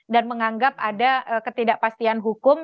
dan menganggap ada ketidakpastian hukum